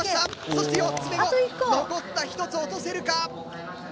そして４つ目も残った１つ落とせるか？